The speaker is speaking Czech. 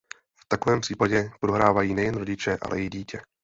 V takovém případě prohrávají nejen rodiče, ale i dítě.